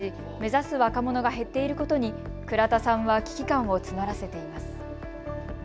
しかし目指す若者が減っていることに倉田さんは危機感を募らせています。